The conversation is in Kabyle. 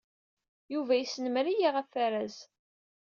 Yuba yesnemmer-iyi ɣef waraz.